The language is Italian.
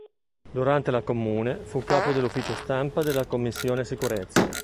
Durante la Comune, fu capo dell'Ufficio stampa della Commissione sicurezza.